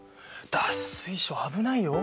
脱水症危ないよ。